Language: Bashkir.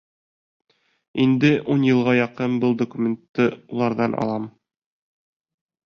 Инде ун йылға яҡын был документты уларҙан алам.